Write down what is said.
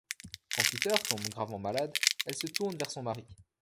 Quand Peter tombe gravement malade, elle se tourne vers son mari.